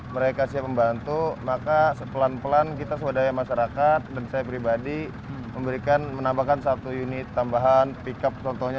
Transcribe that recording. mereka siap membantu maka sepelan pelan kita swadaya masyarakat dan saya pribadi memberikan menambahkan satu unit tambahan pickup contohnya